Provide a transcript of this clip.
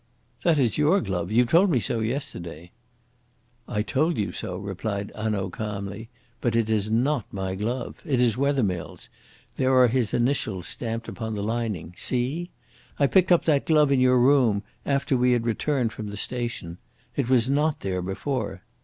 "That is your glove; you told me so yesterday." "I told you so," replied Hanaud calmly; "but it is not my glove. It is Wethermill's; there are his initials stamped upon the lining see? I picked up that glove in your room, after we had returned from the station. It was not there before.